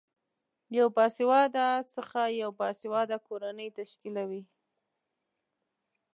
یوه باسیواده خځه یوه باسیواده کورنۍ تشکلوی